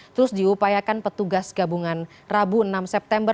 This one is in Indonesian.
terus diupayakan petugas gabungan rabu enam september